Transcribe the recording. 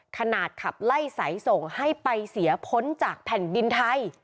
ขนาดขับไล่สายส่งให้ไปเสียพ้นจากแผ่นดินไทย